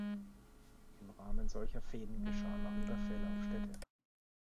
Im Rahmen solcher Fehden geschahen auch Überfälle auf Städte.